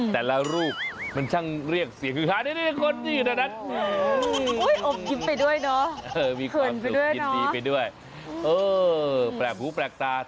แต่ละรูปมันช่างเรียกเสียงขึ้น